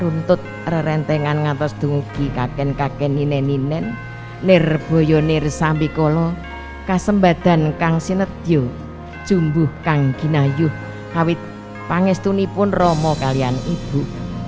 runtut rrentengan ngatos dungugi kaken kaken inen inen nerboyo nir sambikolo kasem badan kang sinetjo jumbuh kang gina yuh kawit pangestu nipun romoh kalian ibu